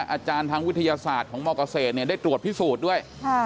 อาจารย์ทางวิทยาศาสตร์ของมเกษตรได้ตรวจพิสูจน์ด้วย